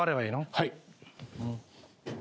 はい。